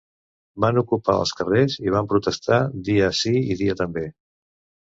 Van ocupar els carrers i van protestar dia sí i dia també.